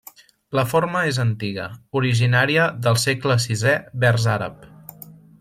La forma és antiga, originària del segle sisè vers àrab.